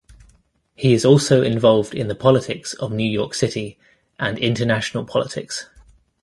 He is also involved in the politics of New York City and international politics.